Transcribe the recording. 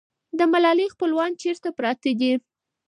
د ملالۍ خپلوان چېرته پراته دي؟